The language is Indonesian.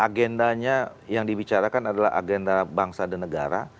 agendanya yang dibicarakan adalah agenda bangsa dan negara